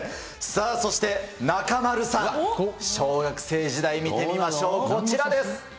さあ、そして中丸さん、小学生時代、見てみましょう、こちらです。